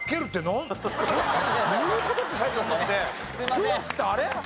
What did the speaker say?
ホースってあれ？